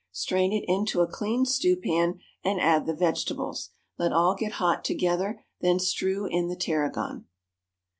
Strain it into a clean stewpan, and add the vegetables; let all get hot together; then strew in the tarragon.